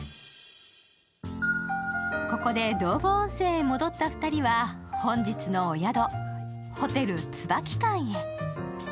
ここで道後温泉へ戻った２人は本日のお宿ホテル椿館へ。